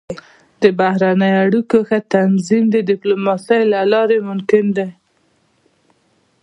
د بهرنیو اړیکو ښه تنظیم د ډيپلوماسۍ له لارې ممکن دی.